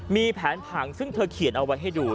มีแผนผังซึ่งเธอเขียนเอาไว้ให้ดู